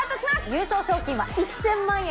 優勝賞金は１０００万円です。